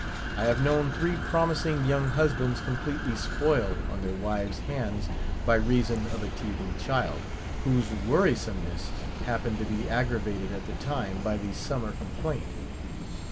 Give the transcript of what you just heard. I have known three promising young husbands completely spoil on their wives' hands, by reason of a teething child, whose worrisomeness happened to be aggravated at the time by the summer complaint.